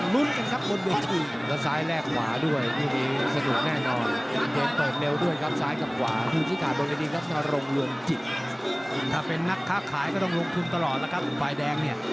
ดูจากทรงแล้วกับเตงหาใต้หม่ากางเกงสีแดง